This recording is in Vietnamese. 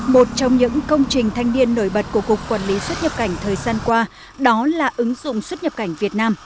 một trong những công trình thanh niên nổi bật của cục quản lý xuất nhập cảnh thời gian qua đó là ứng dụng xuất nhập cảnh việt nam